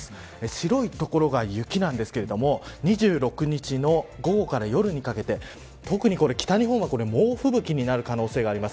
白い所が雪ですが２６日の午後から夜にかけて特に北日本は猛吹雪になる可能性があります。